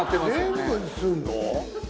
「全部にするの？」